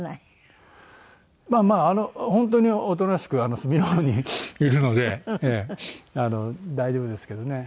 まあまあ本当におとなしく隅の方にいるので大丈夫ですけどね。